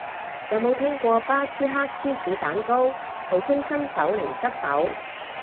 有冇聽過巴斯克芝士蛋糕，號稱新手零失手